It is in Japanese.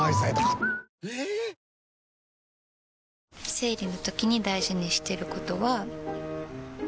生理のときに大事にしてることは。